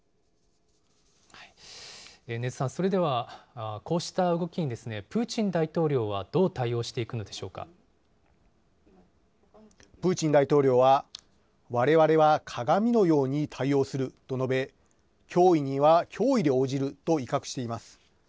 禰津さん、それではこうした動きに、プーチン大統領はどう対プーチン大統領は、われわれは鏡のように対応すると述べ、脅威には脅威で応じると威嚇しています。